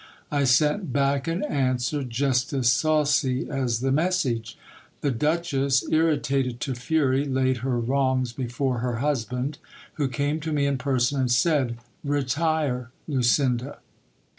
I sent back an answer, just as saucy as the message. The duchess, irritated to fury, laid her wrongs before her husband, who came to me in person, and said : Retire, Lucinda.